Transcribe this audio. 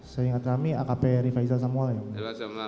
seingat kami akp rifaisal samuel ya muridnya